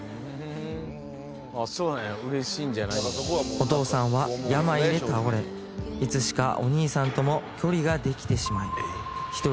お父さんは病で倒れいつしかお兄さんとも距離ができてしまい１人